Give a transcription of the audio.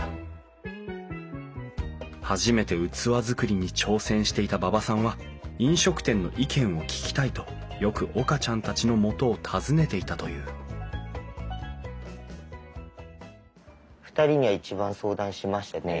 初めて器作りに挑戦していた馬場さんは飲食店の意見を聞きたいとよく岡ちゃんたちのもとを訪ねていたという２人には一番相談しましたねはい。